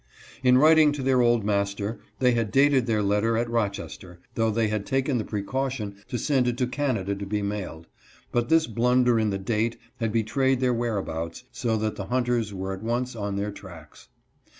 In writing to their old master, they had dated their letter at Rochester, though they had taken the precaution to send it to Canada to be mailed, but this blunder in the date had betrayed their whereabouts, so that the hunters were at once on their tracks.